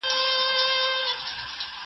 زه به کتابتون ته تللي وي.